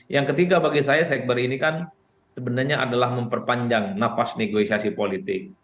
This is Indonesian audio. yang ketiga bagi saya sekber ini kan sebenarnya adalah memperpanjang nafas negosiasi politik